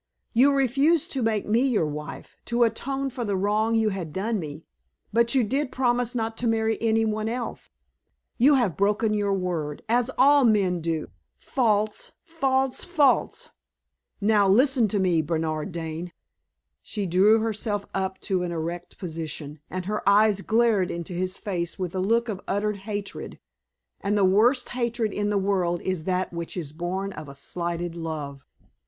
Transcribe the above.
You refused to make me your wife to atone for the wrong you had done me, but you did promise not to marry any one else. You have broken your word, as all men do. False! false! false! Now, listen to me, Bernard Dane." She drew herself up to an erect position, and her eyes glared into his face with a look of utter hatred, and the worst hatred in the world is that which is born of a slighted love.